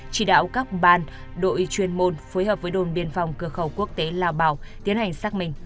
chỉ đạo các ban đội chuyên môn phối hợp với đồn biên phòng cửa khẩu quốc tế lao bảo tiến hành xác minh